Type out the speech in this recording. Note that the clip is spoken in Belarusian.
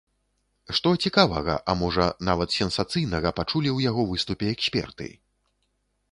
Што цікавага, а можа, нават сенсацыйнага пачулі ў яго выступе эксперты?